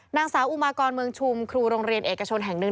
นางสาวอุมากรเมืองชุมครูโรงเรียนเอกชนแห่งหนึ่ง